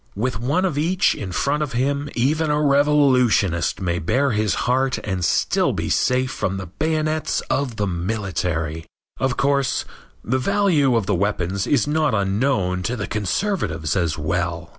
With one of each in front of him even a revolutionist may bare his heart and still be safe from the bayonets of the military. Of course, the value of the weapons is not unknown to the conservatives as well.